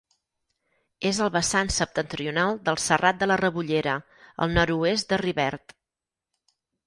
És el vessant septentrional del Serrat de la Rebollera, al nord-oest de Rivert.